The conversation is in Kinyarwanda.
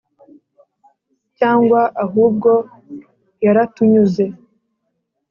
cyangwa ahubwo, yaratunyuze;